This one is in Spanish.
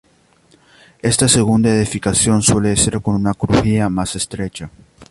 Esta segunda edificación suele ser con una crujía más estrecha.